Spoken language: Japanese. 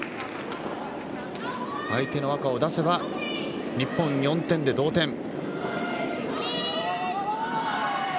相手の赤を出せば日本、４点で同点。